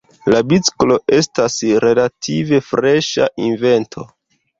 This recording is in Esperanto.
La biciklo estas relative freŝa invento.